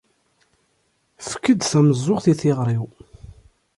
Efk-d tameẓẓuɣt i tiɣri-w.